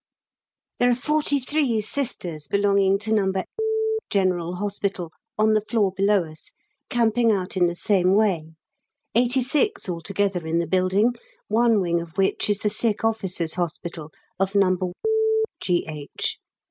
There are 43 Sisters belonging to No. General Hospital on the floor below us camping out in the same way 86 altogether in the building, one wing of which is the Sick Officers' Hospital of No. G.H.